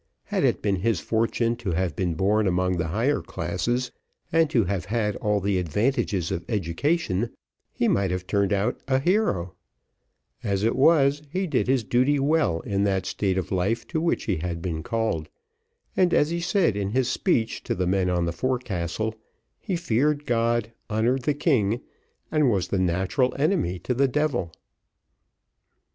Had it been his fortune to have been born among the higher classes, and to have had all the advantages of education, he might have turned out a hero; as it was, he did his duty well in that state of life to which he had been called, and as he said in his speech to the men on the forecastle, he feared God, honoured the king, and was the natural enemy to the devil.